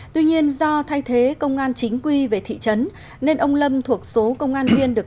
tuy nhiên do thay thế công an chính quy về thị trấn nên ông lâm thuộc số công an viên